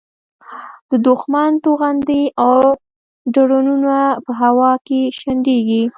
د دوښمن توغندي او ډرونونه په هوا کې شنډېږي.